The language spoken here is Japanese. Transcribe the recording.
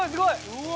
うわ！